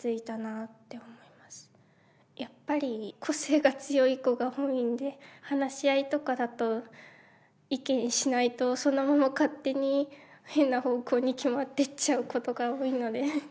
やっぱり個性が強い子が多いので話し合いとかだと意見しないとそのまま勝手に変な方向に決まっていっちゃうことが多いので。